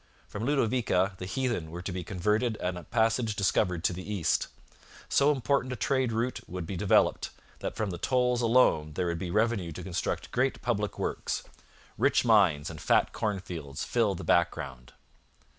From Ludovica the heathen were to be converted and a passage discovered to the East. So important a trade route would be developed, that from the tolls alone there would be revenue to construct great public works. Rich mines and fat cornfields fill the background.